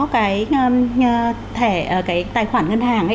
cái tài khoản ngân hàng